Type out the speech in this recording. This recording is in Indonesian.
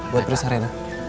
buat periksa rena